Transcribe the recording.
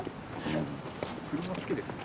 車好きですよね？